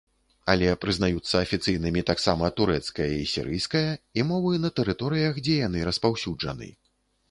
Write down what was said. Але прызнаюцца афіцыйнымі таксама турэцкая і сірыйская і мовы на тэрыторыях, дзе яны распаўсюджаны.